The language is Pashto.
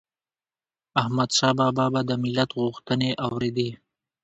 احمدشاه بابا به د ملت غوښتنې اوريدي